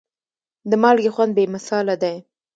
د مالګې خوند بې مثاله دی.